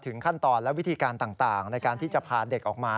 ขั้นตอนและวิธีการต่างในการที่จะพาเด็กออกมา